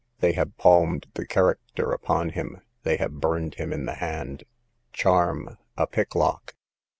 They have palmed the character upon him, they have burned him in the hand. Charm, a picklock.